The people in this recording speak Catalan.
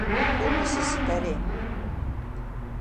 Ho necessitaré.